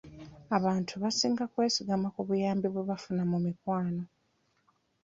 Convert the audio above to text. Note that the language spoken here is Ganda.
Abantubasinga kwesigama ku buyambi bwe bafuna mu mikwano.